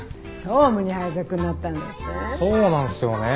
そうなんすよね。